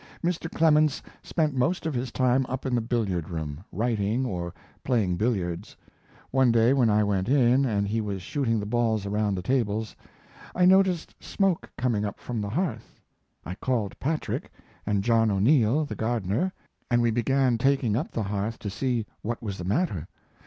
Mr. Clemens spent most of his time up in the billiard room, writing or playing billiards. One day when I went in, and he was shooting the balls around the tables, I noticed smoke coming up from the hearth. I called Patrick, and John O'Neill, the gardener, and we began taking up the hearth to see what was the matter.